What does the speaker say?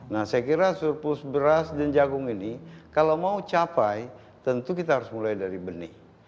nah saya kira surplus beras dan jagung ini kalau mau capai tentu kita harus mulai dari benih